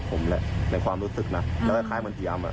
ผมแหละในความรู้สึกนะแล้วแข้มันตรีย้ำ